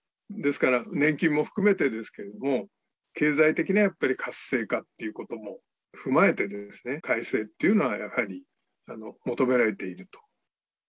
ですから、年金も含めてですけれども、経済的なやっぱり活性化っていうことも踏まえて、改正っていうのはやはり求められていると。